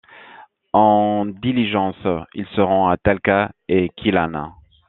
En diligence, il se rend à Talca et Chillán.